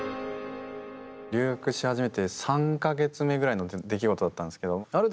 留学し始めて３か月目ぐらいの出来事だったんですけどある